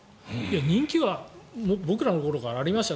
人気は僕らの頃からありました。